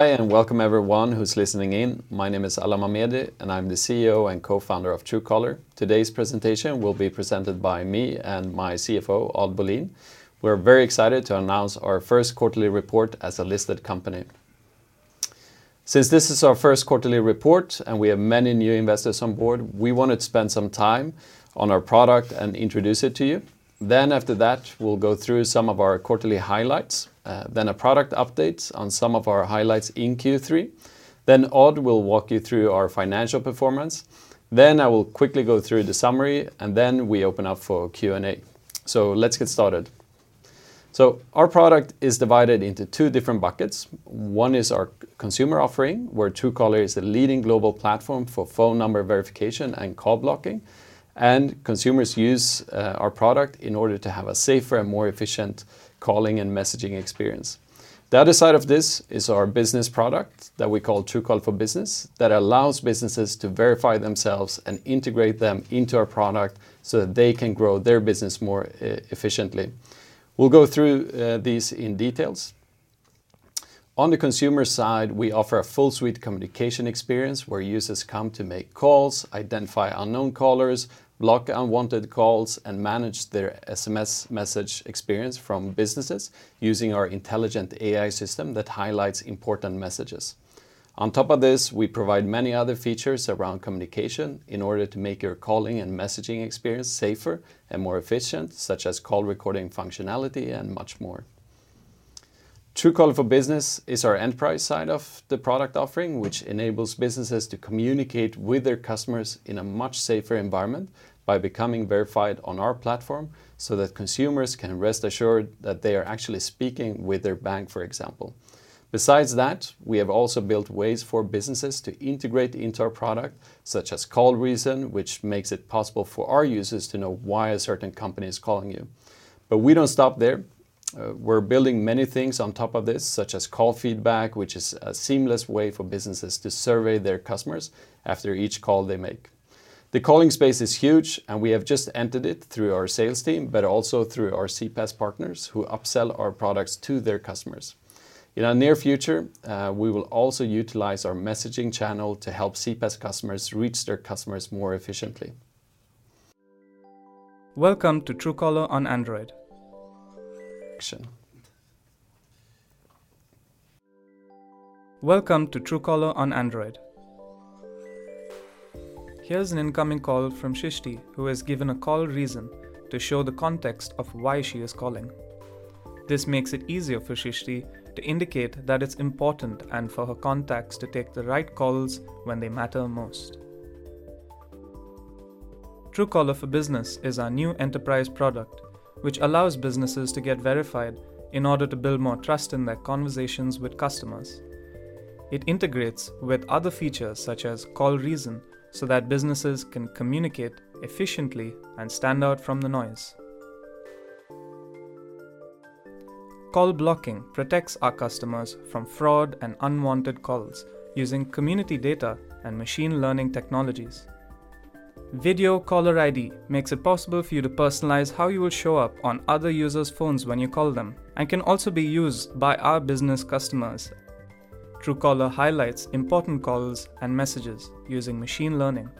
Hi, welcome everyone who's listening in. My name is Alan Mamedi, and I'm the CEO and Co-founder of Truecaller. Today's presentation will be presented by me and my CFO, Odd Bolin. We're very excited to announce our first quarterly report as a listed company. Since this is our first quarterly report and we have many new investors on board, we want to spend some time on our product and introduce it to you. Then after that, we'll go through some of our quarterly highlights, then a product update on some of our highlights in Q3. Then Odd will walk you through our financial performance. Then I will quickly go through the summary, and then we open up for Q&A. Let's get started. Our product is divided into two different buckets. One is our consumer offering, where Truecaller is the leading global platform for phone number verification and call blocking, and consumers use our product in order to have a safer and more efficient calling and messaging experience. The other side of this is our business product that we call Truecaller for Business, that allows businesses to verify themselves and integrate them into our product so that they can grow their business more efficiently. We'll go through these in details. On the consumer side, we offer a full suite communication experience where users come to make calls, identify unknown callers, block unwanted calls, and manage their SMS message experience from businesses using our intelligent AI system that highlights important messages. On top of this, we provide many other features around communication in order to make your calling and messaging experience safer and more efficient, such as call recording functionality and much more. Truecaller for Business is our enterprise side of the product offering, which enables businesses to communicate with their customers in a much safer environment by becoming verified on our platform, so that consumers can rest assured that they are actually speaking with their bank, for example. Besides that, we have also built ways for businesses to integrate into our product, such as Call Reason, which makes it possible for our users to know why a certain company is calling you. We don't stop there. We're building many things on top of this, such as Call Feedback, which is a seamless way for businesses to survey their customers after each call they make. The calling space is huge, and we have just entered it through our sales team, but also through our CPaaS partners who upsell our products to their customers. In our near future, we will also utilize our messaging channel to help CPaaS customers reach their customers more efficiently. Welcome to Truecaller on Android. Here's an incoming call from Rishit, who has given a Call Reason to show the context of why she is calling. This makes it easier for Rishit to indicate that it's important, and for her contacts to take the right calls when they matter most. Truecaller for Business is our new enterprise product, which allows businesses to get verified in order to build more trust in their conversations with customers. It integrates with other features such as Call Reason, so that businesses can communicate efficiently and stand out from the noise. Call blocking protects our customers from fraud and unwanted calls using community data and machine learning technologies. Video Caller ID makes it possible for you to personalize how you will show up on other users' phones when you call them, and can also be used by our business customers. Truecaller highlights important calls and messages using machine learning.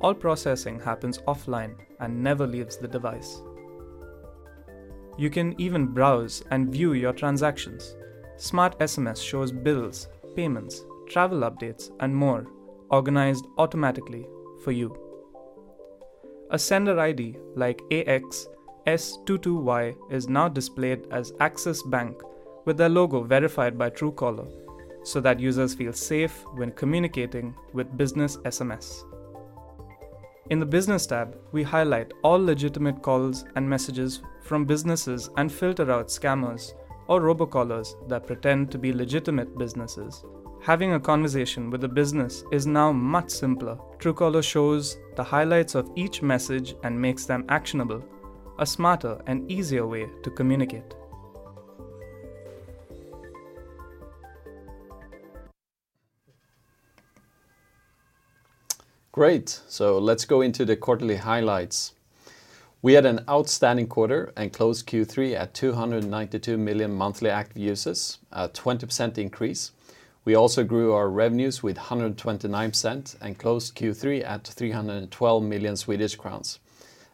All processing happens offline and never leaves the device. You can even browse and view your transactions. Smart SMS shows bills, payments, travel updates, and more, organized automatically for you. A sender ID like AXS22Y is now displayed as Axis Bank with their logo verified by Truecaller so that users feel safe when communicating with business SMS. In the Business tab, we highlight all legitimate calls and messages from businesses and filter out scammers or robocallers that pretend to be legitimate businesses. Having a conversation with a business is now much simpler. Truecaller shows the highlights of each message and makes them actionable, a smarter and easier way to communicate. Great. Let's go into the quarterly highlights. We had an outstanding quarter and closed Q3 at 292 million monthly active users, a 20% increase. We also grew our revenues with 129% and closed Q3 at 312 million Swedish crowns.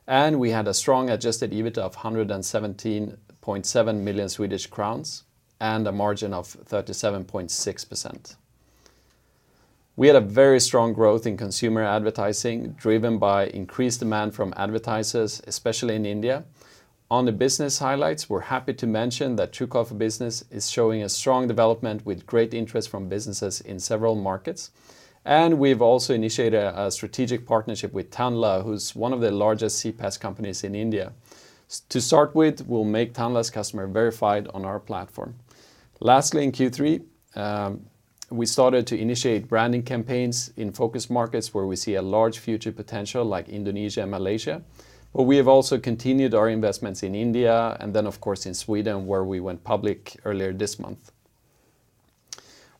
We had a strong Adjusted EBIT of 117.7 million Swedish crowns and a margin of 37.6%. We had a very strong growth in consumer advertising, driven by increased demand from advertisers, especially in India. On the business highlights, we're happy to mention that Truecaller for Business is showing a strong development with great interest from businesses in several markets. We've also initiated a strategic partnership with Tanla, who's one of the largest CPaaS companies in India. To start with, we'll make Tanla's customers verified on our platform. Lastly, in Q3, we started to initiate branding campaigns in focus markets where we see a large future potential, like Indonesia and Malaysia, but we have also continued our investments in India and then, of course, in Sweden, where we went public earlier this month.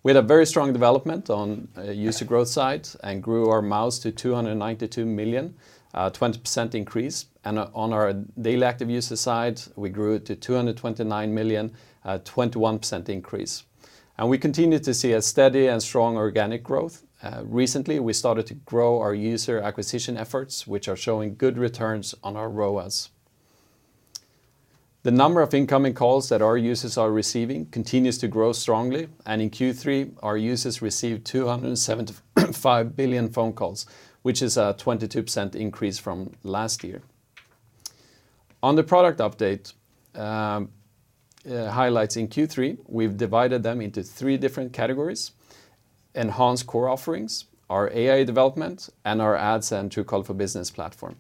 We had a very strong development on user growth side and grew our MAUs to 292 million, 20% increase. On our daily active user side, we grew it to 229 million, 21% increase. We continued to see a steady and strong organic growth. Recently, we started to grow our user acquisition efforts, which are showing good returns on our ROAS. The number of incoming calls that our users are receiving continues to grow strongly, and in Q3, our users received 275 billion phone calls, which is a 22% increase from last year. On the product update, highlights in Q3, we've divided them into three different categories: enhanced core offerings, our AI development, and our ads and Truecaller for Business platform.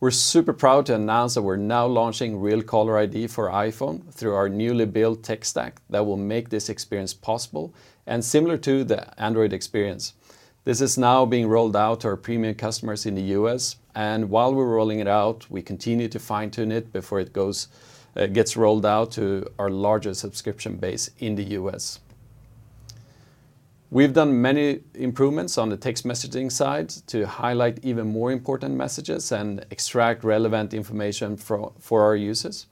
We're super proud to announce that we're now launching Real Caller ID for iPhone through our newly built tech stack that will make this experience possible and similar to the Android experience. This is now being rolled out to our premium customers in the U.S., and while we're rolling it out, we continue to fine-tune it before it gets rolled out to our larger subscription base in the U.S. We've done many improvements on the text messaging side to highlight even more important messages and extract relevant information for our users.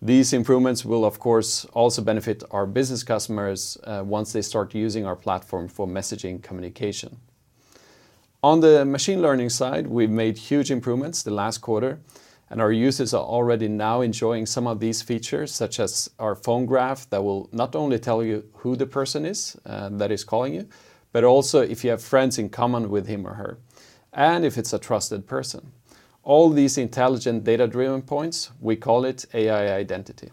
These improvements will, of course, also benefit our business customers once they start using our platform for messaging communication. On the machine learning side, we've made huge improvements the last quarter, and our users are already now enjoying some of these features, such as our phone graph, that will not only tell you who the person is that is calling you, but also if you have friends in common with him or her and if it's a trusted person. All these intelligent data-driven points, we call it AI Identity.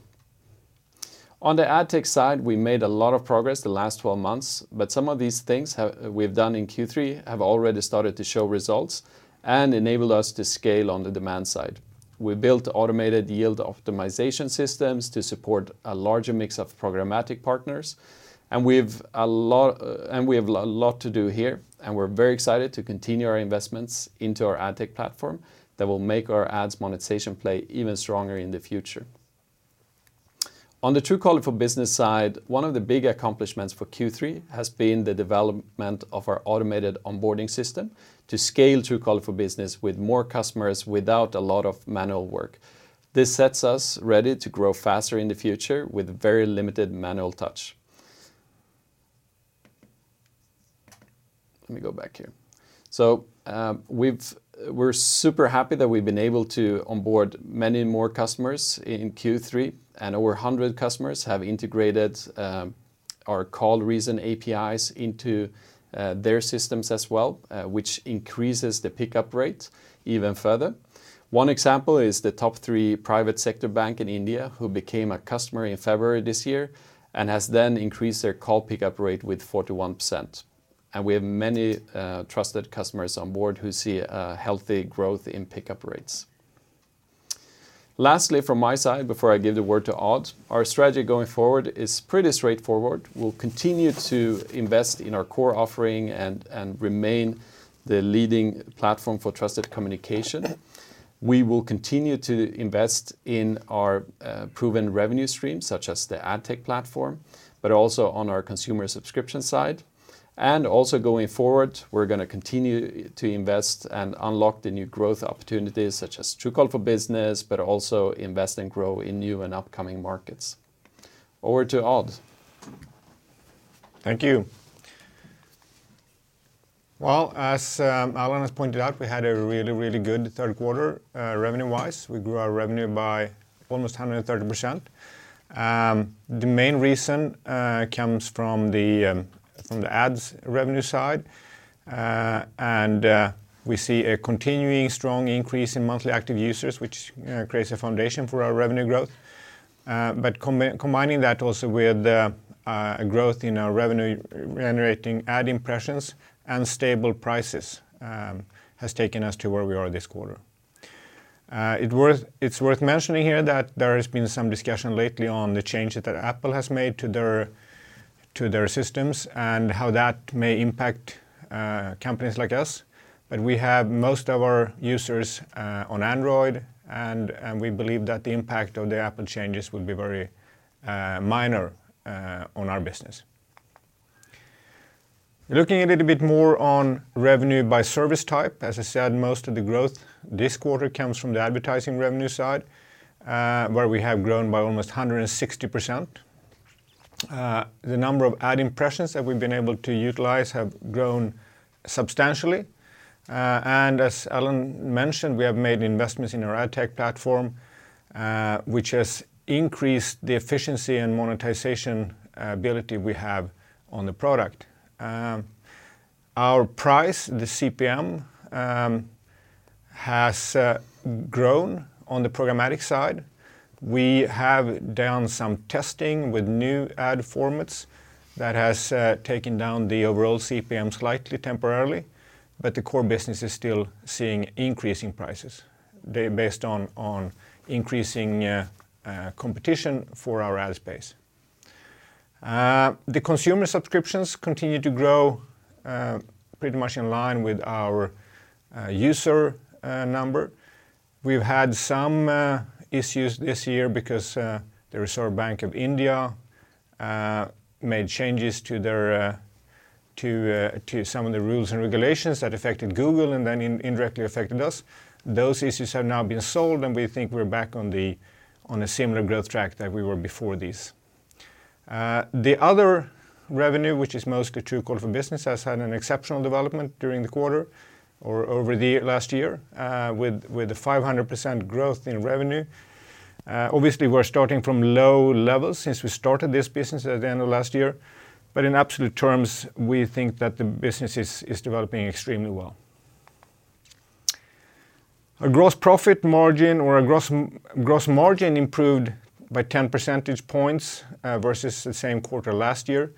On the AdTech side, we made a lot of progress the last 12 months, but some of these things we've done in Q3 have already started to show results and enabled us to scale on the demand side. We built automated yield optimization systems to support a larger mix of programmatic partners, and we have a lot to do here, and we're very excited to continue our investments into our AdTech platform that will make our ads monetization play even stronger in the future. On the Truecaller for Business side, one of the big accomplishments for Q3 has been the development of our automated onboarding system to scale Truecaller for Business with more customers without a lot of manual work. This sets us ready to grow faster in the future with very limited manual touch. Let me go back here. We're super happy that we've been able to onboard many more customers in Q3, and over 100 customers have integrated our Call Reason APIs into their systems as well, which increases the pickup rate even further. One example is the top three private sector bank in India who became a customer in February this year and has then increased their call pickup rate with 41%. We have many trusted customers on board who see a healthy growth in pickup rates. Lastly, from my side, before I give the word to Odd, our strategy going forward is pretty straightforward. We'll continue to invest in our core offering and remain the leading platform for trusted communication. We will continue to invest in our proven revenue stream, such as the AdTech platform, but also on our consumer subscription side. Also going forward, we're gonna continue to invest and unlock the new growth opportunities, such as Truecaller for Business, but also invest and grow in new and upcoming markets. Over to Odd. Thank you. Well, as Alan has pointed out, we had a really good third quarter, revenue-wise. We grew our revenue by almost 130%. The main reason comes from the ads revenue side. We see a continuing strong increase in monthly active users, which creates a foundation for our revenue growth. Combining that also with the growth in our revenue generating ad impressions and stable prices has taken us to where we are this quarter. It's worth mentioning here that there has been some discussion lately on the changes that Apple has made to their systems and how that may impact companies like us. We have most of our users on Android and we believe that the impact of the Apple changes will be very minor on our business. Looking a little bit more on revenue by service type, as I said, most of the growth this quarter comes from the advertising revenue side, where we have grown by almost 160%. The number of ad impressions that we've been able to utilize have grown substantially. And as Alan mentioned, we have made investments in our AdTech platform, which has increased the efficiency and monetization ability we have on the product. Our price, the CPM, has grown on the programmatic side. We have done some testing with new ad formats that has taken down the overall CPM slightly temporarily, but the core business is still seeing increasing prices. They're based on increasing competition for our ad space. The consumer subscriptions continue to grow pretty much in line with our user number. We've had some issues this year because the Reserve Bank of India made changes to some of the rules and regulations that affected Google and then indirectly affected us. Those issues have now been solved, and we think we're back on a similar growth track that we were before this. The other revenue, which is mostly Truecaller business, has had an exceptional development during the quarter or over the last year, with a 500% growth in revenue. Obviously we're starting from low levels since we started this business at the end of last year. In absolute terms, we think that the business is developing extremely well. A gross profit margin or a gross margin improved by 10 percentage points versus the same quarter last year,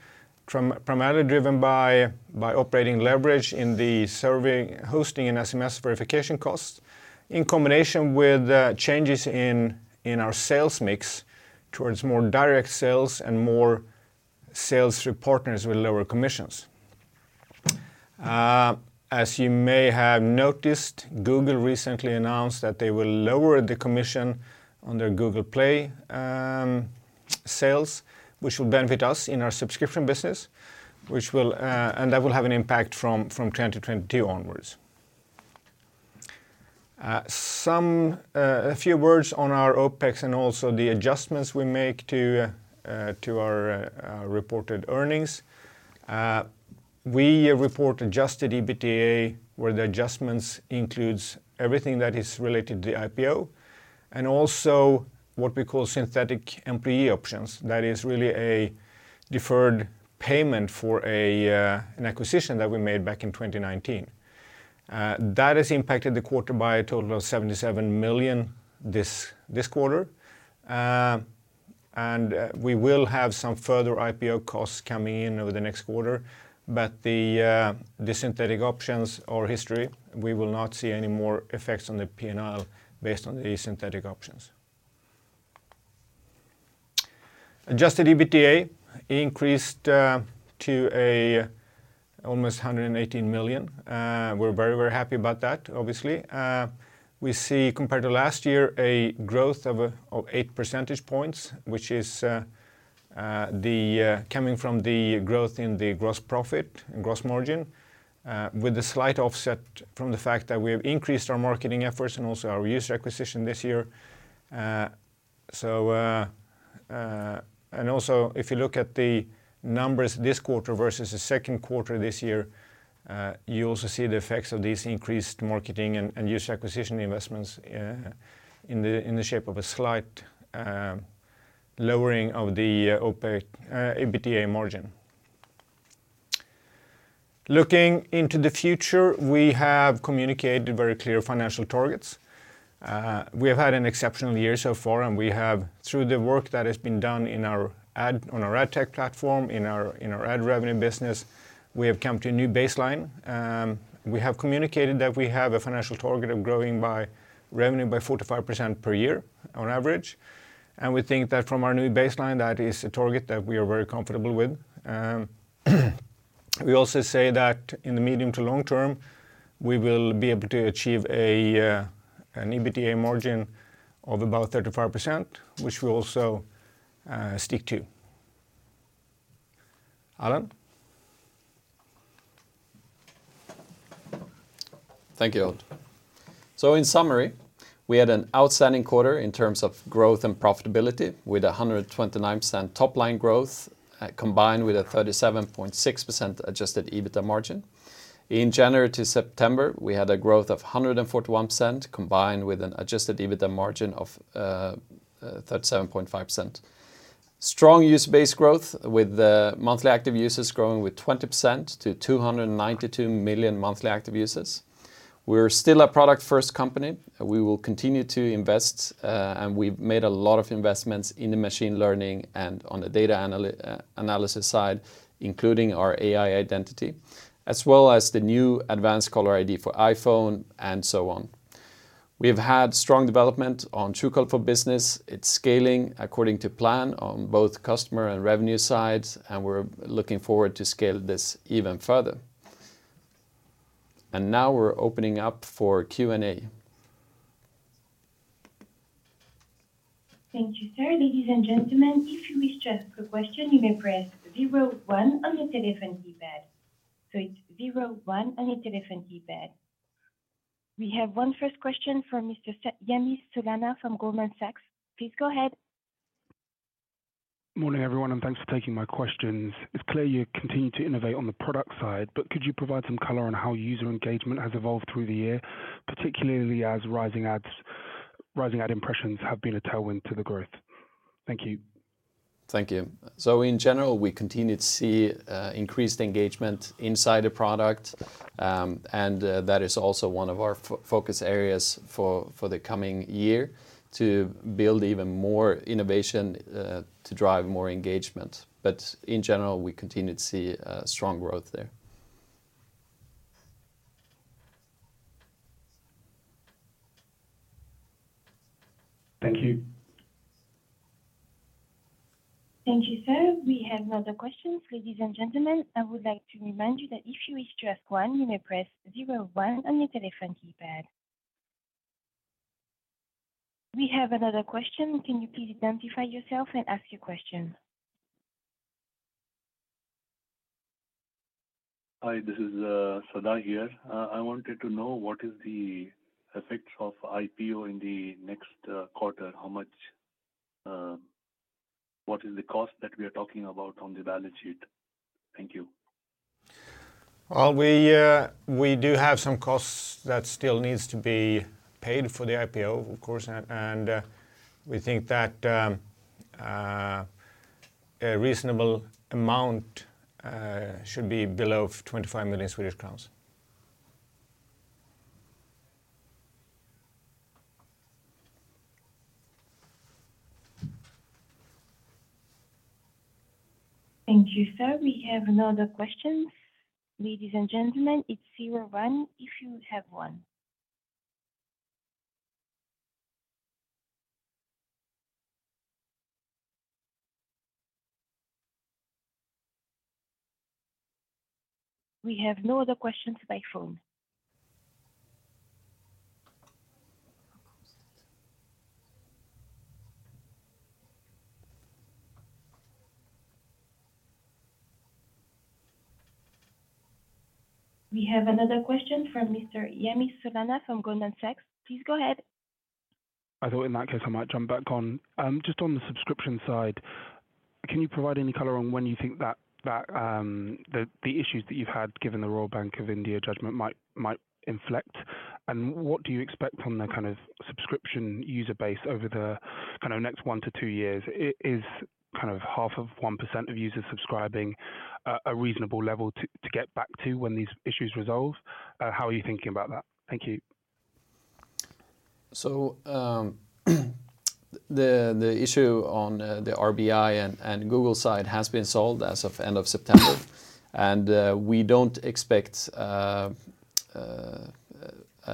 primarily driven by operating leverage in the server hosting and SMS verification costs in combination with changes in our sales mix towards more direct sales and more sales through partners with lower commissions. As you may have noticed, Google recently announced that they will lower the commission on their Google Play sales, which will benefit us in our subscription business, and that will have an impact from 2022 onwards. A few words on our OpEx and also the adjustments we make to our reported earnings. We report Adjusted EBITDA, where the adjustments includes everything that is related to the IPO and also what we call synthetic employee options. That is really a deferred payment for an acquisition that we made back in 2019. That has impacted the quarter by a total of 77 million this quarter. We will have some further IPO costs coming in over the next quarter. The synthetic options are history. We will not see any more effects on the P&L based on the synthetic options. Adjusted EBITDA increased to almost 118 million. We're very, very happy about that, obviously. We see compared to last year a growth of 8 percentage points, which is coming from the growth in the gross profit and gross margin, with a slight offset from the fact that we have increased our marketing efforts and also our user acquisition this year. If you look at the numbers this quarter versus the second quarter this year, you also see the effects of these increased marketing and user acquisition investments, in the shape of a slight lowering of the EBITDA margin. Looking into the future, we have communicated very clear financial targets. We have had an exceptional year so far, and we have through the work that has been done on our AdTech platform, in our ad revenue business, we have come to a new baseline. We have communicated that we have a financial target of growing revenue by 45% per year on average. We think that from our new baseline, that is a target that we are very comfortable with. We also say that in the medium to long term, we will be able to achieve an EBITDA margin of about 35%, which we also stick to. Alan? Thank you, Odd. In summary, we had an outstanding quarter in terms of growth and profitability with 129% top-line growth, combined with a 37.6% Adjusted EBITDA margin. In January to September, we had a growth of 141%, combined with an Adjusted EBITDA margin of 37.5%. Strong user base growth with the monthly active users growing with 20% to 292 million monthly active users. We're still a product-first company. We will continue to invest, and we've made a lot of investments in the machine learning and on the data analysis side, including our AI Identity, as well as the new advanced Caller ID for iPhone and so on. We have had strong development on Truecaller business. It's scaling according to plan on both customer and revenue sides, and we're looking forward to scale this even further. Now we're opening up for Q&A. Thank you, sir. Ladies and gentlemen, if you wish to ask a question, you may press zero one on the telephone keypad. It's zero one on the telephone keypad. We have our first question from Mr. Yannis Salganis from Goldman Sachs. Please go ahead. Morning, everyone, and thanks for taking my questions. It's clear you continue to innovate on the product side, but could you provide some color on how user engagement has evolved through the year, particularly as rising ads, rising ad impressions have been a tailwind to the growth? Thank you. Thank you. In general, we continue to see increased engagement inside the product, and that is also one of our focus areas for the coming year to build even more innovation to drive more engagement. In general, we continue to see strong growth there. Thank you. Thank you, sir. We have another question. Ladies and gentlemen, I would like to remind you that if you wish to ask one, you may press zero-one on your telephone keypad. We have another question. Can you please identify yourself and ask your question? Hi, this is Sada here. I wanted to know what is the effect of IPO in the next quarter. How much? What is the cost that we are talking about on the balance sheet? Thank you. Well, we do have some costs that still needs to be paid for the IPO, of course. We think that a reasonable amount should be below SEK 25 million. Thank you, sir. We have another question. Ladies and gentlemen, it's zero one if you have one. We have no other questions by phone. We have another question from Mr. Yannis Salganis from Goldman Sachs. Please go ahead. I thought in that case I might jump back on. Just on the subscription side, can you provide any color on when you think that the issues that you've had given the Reserve Bank of India judgment might inflect? What do you expect from the kind of subscription user base over the kind of next one to two years? Is kind of half of 1% of users subscribing a reasonable level to get back to when these issues resolve? How are you thinking about that? Thank you. The issue on the RBI and Google side has been solved as of end of September. We don't expect a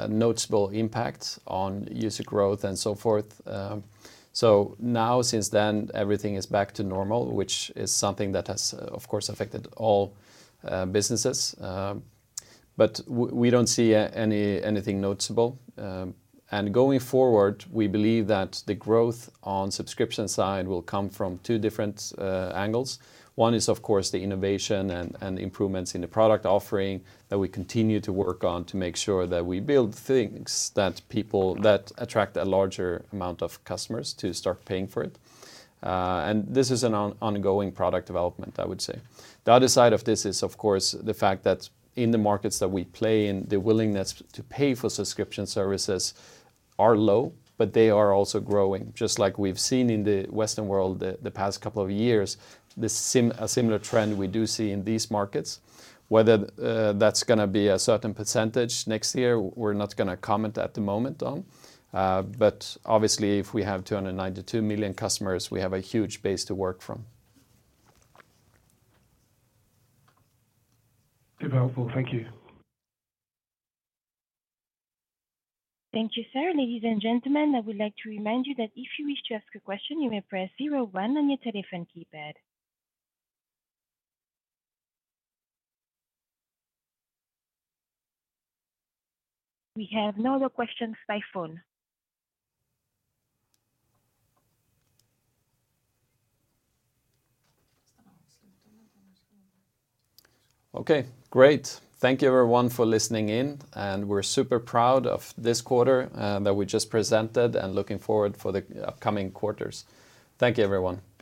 noticeable impact on user growth and so forth. Now since then, everything is back to normal, which is something that has, of course, affected all businesses. We don't see anything noticeable. Going forward, we believe that the growth on subscription side will come from two different angles. One is, of course, the innovation and improvements in the product offering that we continue to work on to make sure that we build things that attract a larger amount of customers to start paying for it. This is an ongoing product development, I would say. The other side of this is, of course, the fact that in the markets that we play in, the willingness to pay for subscription services are low, but they are also growing. Just like we've seen in the Western world the past couple of years, a similar trend we do see in these markets. Whether that's gonna be a certain percentage next year, we're not gonna comment at the moment on. Obviously if we have 292 million customers, we have a huge base to work from. Super helpful. Thank you. Thank you, sir. Ladies and gentlemen, I would like to remind you that if you wish to ask a question, you may press zero-one on your telephone keypad. We have no other questions by phone. Okay, great. Thank you everyone for listening in, and we're super proud of this quarter that we just presented and looking forward for the upcoming quarters. Thank you, everyone.